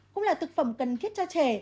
cũng là thực phẩm cần thiết cho trẻ